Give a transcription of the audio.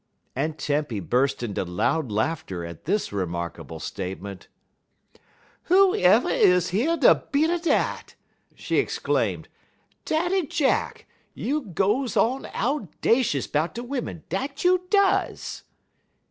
Aunt Tempy burst into loud laughter at this remarkable statement. "Whoever is year de beat er dat!" she exclaimed. "Daddy Jack, you goes on owdashus 'bout de wimmen, dat you does!"